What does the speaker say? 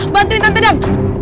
bantuin tante dam